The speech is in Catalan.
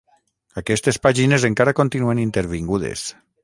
Aquestes pàgines encara continuen intervingudes.